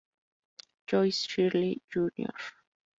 Joe Shirley Jr.